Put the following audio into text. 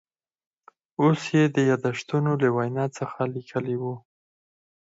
اوس یې د یاداشتونو له وینا څخه لیکلي و.